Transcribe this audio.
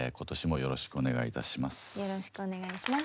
よろしくお願いします。